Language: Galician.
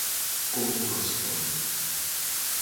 Como corresponde.